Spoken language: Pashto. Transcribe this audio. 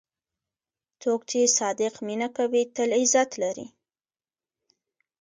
څوک چې صادق مینه کوي، تل عزت لري.